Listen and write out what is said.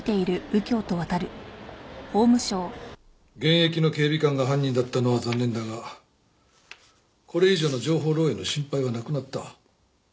現役の警備官が犯人だったのは残念だがこれ以上の情報漏洩の心配はなくなった。